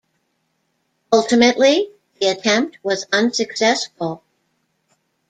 Ultimately, the attempt was unsuccessful.